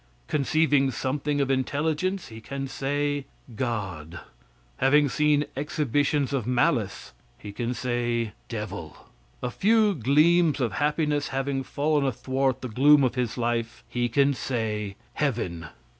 Conceiving something of intelligence, he can say God. Having seen exhibitions of malice, he can say, devil. A few gleams of happiness having fallen athwart the gloom of his life, he can say, heaven.